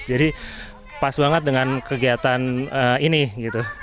jadi pas banget dengan kegiatan ini